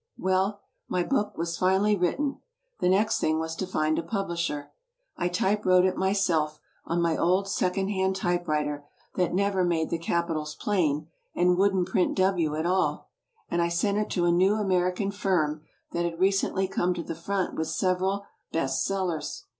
Well, my book was finally written. The next thing was to find a publisher. I typewrote it myself, on my old second hand typewriter that never made the capitals plain and wouldn't print "w" at all, and I sent it to a new American firm that had recently come to the front with several "best sellers."